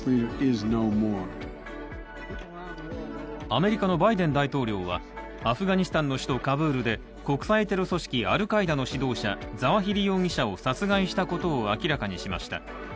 アメリカのバイデン大統領はアフガニスタンの首都カブールで国際テロ組織アルカイダの指導者、ザワヒリ容疑者を殺害したことを明らかにしました。